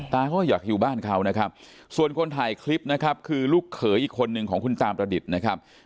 เขาก็อยากอยู่บ้านเขานะครับส่วนคนถ่ายคลิปนะครับคือลูกเขยอีกคนนึงของคุณตาประดิษฐ์นะครับ